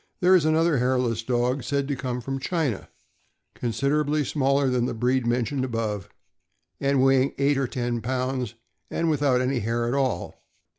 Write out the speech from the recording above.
There is another hairless dog, said to come from China, considerably smaller than the breed mentioned above, weighing about eight or ten pounds, and without any hair at all.